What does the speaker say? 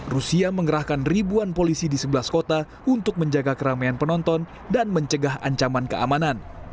rusia mengerahkan ribuan polisi di sebelah kota untuk menjaga keramaian penonton dan mencegah ancaman keamanan